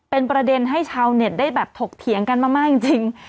เป็นประเด็นให้ชาวเน็ตได้แบบถกเถียงกันมากจริง